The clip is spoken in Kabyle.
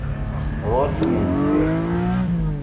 UƔal timendeffert!